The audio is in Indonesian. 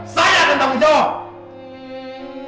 saya yang tanggung jawab